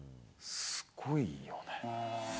すごいよね。